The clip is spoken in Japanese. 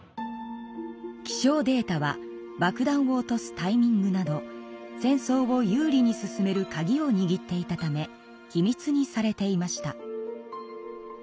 気象データはばくだんを落とすタイミングなど戦争を有利に進めるカギをにぎっていたため秘密にされていました。